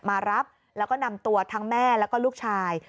มารับแล้วก็นำตัวทั้งแม่แล้วก็ลูกชาย